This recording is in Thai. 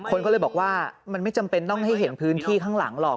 คนก็เลยบอกว่ามันไม่จำเป็นต้องให้เห็นพื้นที่ข้างหลังหรอก